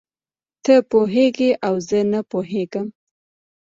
ته پوهېږې او زه نه پوهېږم.